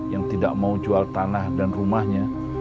yang tidak mau jual tanah dan rumahnya